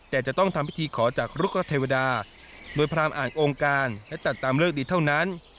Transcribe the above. แต่จะต้องทำพิธีขอจากรุกเทวดาโดยพรามอ่านองค์การและจัดตามเลิกดีเท่านั้น